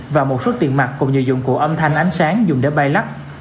và một số tiền mặt cùng nhiều dụng cụ âm thanh ánh sáng dùng để bay lắc